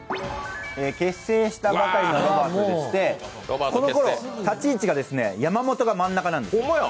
結成したばかりのロバートでして、この頃、立ち位置が山本が真ん中なんです。